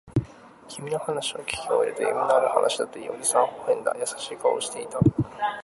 君の話をきき終えると、夢のある話だと言い、おじさんは微笑んだ。優しい顔をしていた。